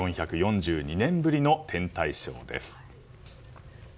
４４２年ぶりの天体ショーです。